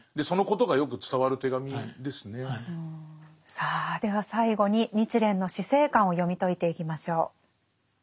さあでは最後に日蓮の死生観を読み解いていきましょう。